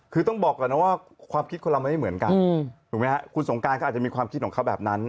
คือต้องบอกก่อนนะว่าความคิดคนเราไม่เหมือนกันถูกไหมครับคุณสงการเขาอาจจะมีความคิดของเขาแบบนั้น